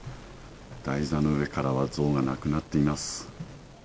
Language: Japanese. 台座の上からは像がなくなっています。